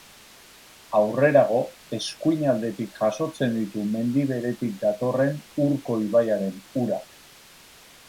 Aurrerago, eskuinaldetik jasotzen ditu mendi beretik datorren Urko ibaiaren urak.